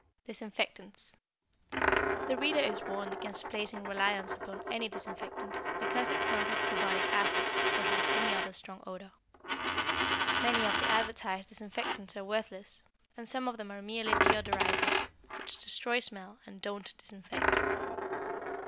Disinfectants The reader is warned against placing reliance upon any disinfectant, because it smells of carbolic acid, or has any other strong odor. Many of the advertised disinfectants are worthless, and some of them are merely deodorizers, which destroy smell and don't disinfect.